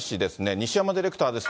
西山ディレクターです。